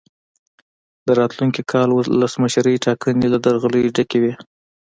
د راتلونکي کال ولسمشرۍ ټاکنې له درغلیو ډکې وې.